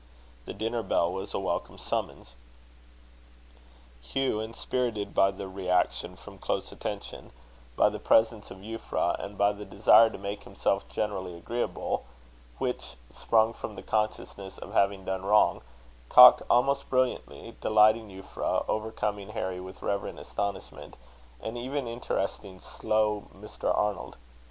The dinner bell was a welcome summons. Hugh, inspirited by the reaction from close attention, by the presence of Euphra, and by the desire to make himself generally agreeable, which sprung from the consciousness of having done wrong, talked almost brilliantly, delighting Euphra, overcoming Harry with reverent astonishment, and even interesting slow Mr. Arnold.